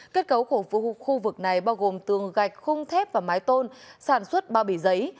kết cấu của khu vực này bao gồm tường gạch khung thép và mái tôn sản xuất bao bì giấy